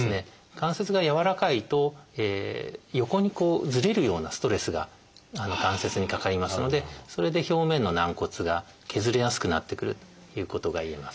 関節がやわらかいと横にずれるようなストレスが関節にかかりますのでそれで表面の軟骨が削れやすくなってくるということがいえます。